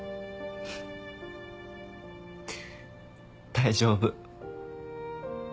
大丈夫。